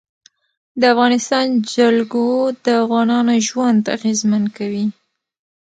د افغانستان جلکو د افغانانو ژوند اغېزمن کوي.